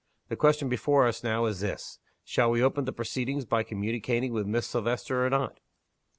The question before us now is this. Shall we open the proceedings by communicating with Miss Silvester or not?"